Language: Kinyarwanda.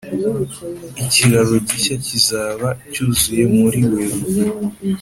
ikiraro gishya kizaba cyuzuye muri werurwe.